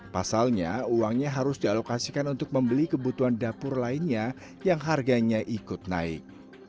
pasalnya uangnya harus dialokasikan untuk membeli kebutuhan dapur lainnya yang harganya ikut naik